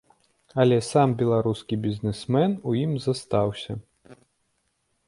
Але сам беларускі бізнесмен у ім застаўся.